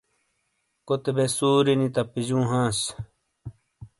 کوتے بے سوری نی تپجوں ہانس